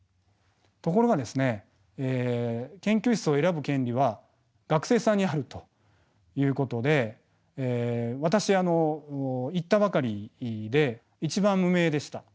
ところがですね研究室を選ぶ権利は学生さんにあるということで私行ったばかりで一番無名でした。